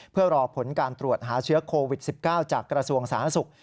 เพื่อรอผลการตรวจหาเชื้อโควิด๑๙จากกระทรวงสาธารณสุข